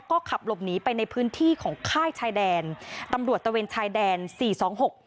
ก็ขับหลบหนีไปในพื้นที่ของค่ายชายแดนตำรวจตะเวนชายแดนสี่สองหก